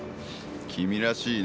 君らしいね。